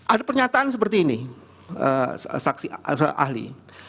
ada pernyataan seperti ini saksi ahli